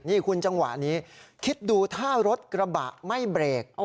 นี่คุณจังหวะนี้คิดดูถ้ารถกระบะไม่เบรก